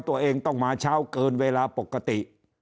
ตัวเองต้องมาเช้าเกินเวลาปกติ